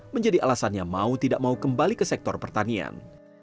menjadi alasannya mau tidak mau kembali ke sektor pertanian